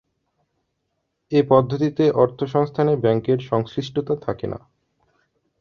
এ পদ্ধতিতে অর্থসংস্থানে ব্যাংকের সংশ্লিষ্টতা থাকে না।